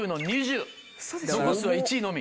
残すは１位のみ。